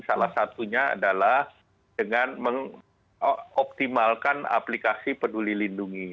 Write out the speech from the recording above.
salah satunya adalah dengan mengoptimalkan aplikasi peduli lindungi